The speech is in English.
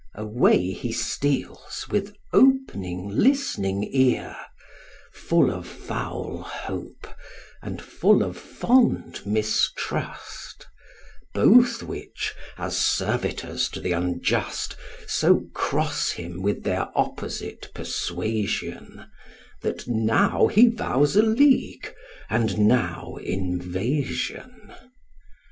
Away he steals with open listening ear, Full of foul hope and full of fond mistrust; Both which, as servitors to the unjust, So cross him with their opposite persuasion, That now he vows a league, and now invasion.